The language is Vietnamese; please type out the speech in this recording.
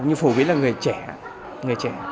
nhưng phổ biến là người trẻ